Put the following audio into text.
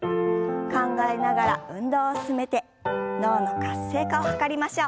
考えながら運動を進めて脳の活性化を図りましょう。